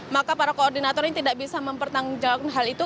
maka para koordinator ini tidak bisa mempertanggungjawabkan hal itu